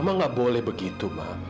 mama nggak boleh begitu ma